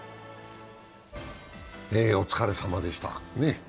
お疲れさまでした。